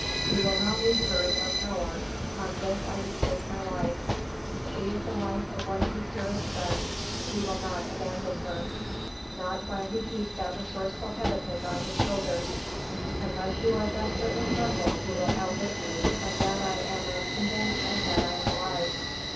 He will not leave her in your power, on this I would stake my life; she is the wife of one of his dearest friends: he will not abandon her, not while he keeps that resourceful head of his on his shoulders. Unless you are desperately careful he will outwit you; of that I am as convinced as that I am alive."